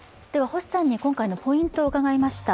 星さんに今回のポイントを伺いました。